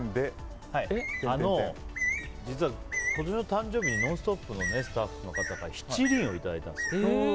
誕生日に「ノンストップ！」のスタッフから七輪をいただいたんです。